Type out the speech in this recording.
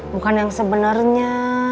bukan yang sebenarnya